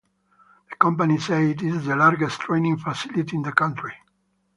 The company says it is the largest training facility in the country.